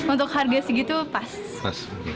untuk harga segitu pas